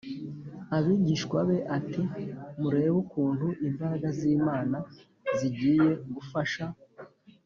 abigishwa be ati murebe ukuntu imbaraga z Imana zigiye gufasha